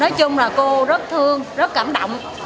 nói chung là cô rất thương rất cảm động